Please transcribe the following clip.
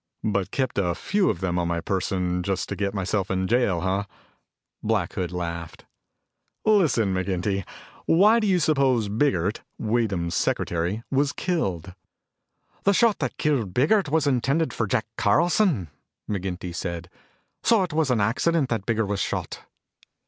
"But kept a few of them on my person just to get myself in jail, huh?" Black Hood laughed. "Listen, McGinty, why do you suppose Biggert, Weedham's secretary, was killed?" "The shot that killed Biggert was intended for Jack Carlson," McGinty said. "So it was an accident that Biggert was shot."